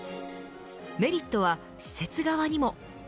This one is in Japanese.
メリットは施設側にも。